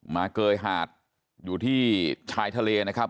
เกยหาดอยู่ที่ชายทะเลนะครับ